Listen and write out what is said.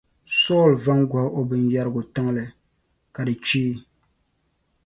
Saul va n-gɔhi o binyɛrigu tiŋli, ka di cheei.